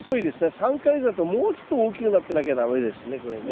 ３か月だともうちょっと大きくなってなきゃ駄目ですねこれね。